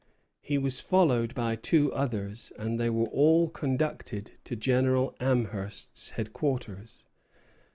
He was followed by two others; and they were all conducted to General Amherst's headquarters."